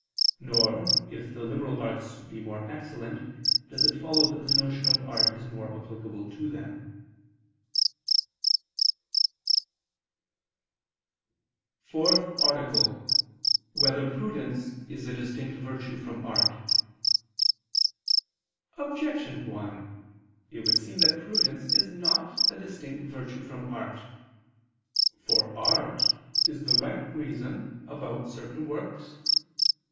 Nor, if the liberal arts be more excellent, does it follow that the notion of art is more applicable to them. ________________________ FOURTH ARTICLE [I II, Q. 57, Art. 4] Whether Prudence Is a Distinct Virtue from Art? Objection 1: It would seem that prudence is not a distinct virtue from art. For art is the right reason about certain works.